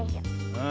うん。